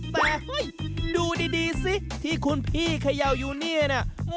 แต่เฮ้ยดูดีสิที่คุณพี่เขย่าอยู่เนี่ยเนี่ย